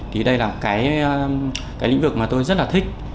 thì đây là cái lĩnh vực mà tôi rất là thích